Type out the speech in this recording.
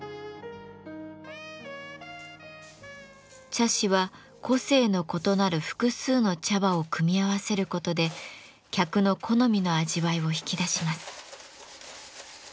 茶師は個性の異なる複数の茶葉を組み合わせることで客の好みの味わいを引き出します。